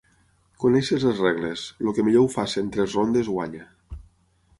Coneixes les regles, el que millor ho faci en tres rondes guanya.